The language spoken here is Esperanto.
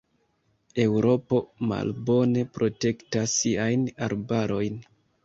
Eŭropo malbone protektas siajn arbarojn.